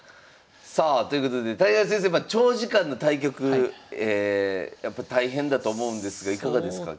さあということで谷川先生長時間の対局やっぱ大変だと思うんですがいかがですか？